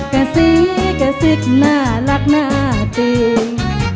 กะซิกะซิกน่ารักน่าติง